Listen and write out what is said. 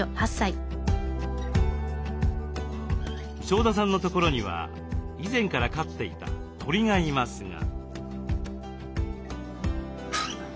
庄田さんのところには以前から飼っていた鳥がいますが。